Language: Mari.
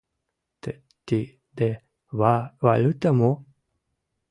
— Т... ти... де ва-валюта мо?